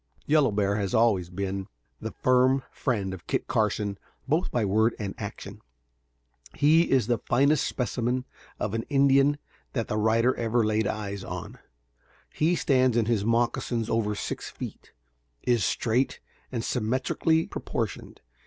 Yellow Bear has always been the firm friend of Kit Carson both by word and action. He is the finest specimen of an Indian that the writer ever laid eyes on. He stands in his moccasins over six feet; is straight and symmetrically proportioned.